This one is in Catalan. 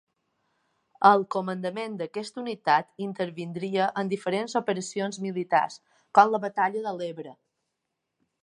Al comandament d'aquesta unitat intervindria en diferents operacions militars, com la batalla de l'Ebre.